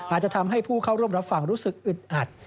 อาจจะทำให้ผู้เข้าร่วมรับฟังรู้สึกอึดอัด